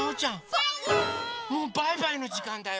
もうバイバイのじかんだよ。